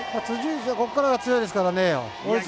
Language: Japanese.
辻内はここからが強いですからね。